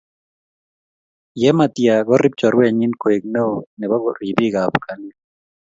yematia korip chorwenyi koek neoo nebo ripik ab kalyet